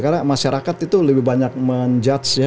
karena masyarakat itu lebih banyak menjudge ya